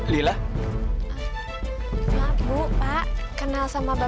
saya gak kenal ya mbak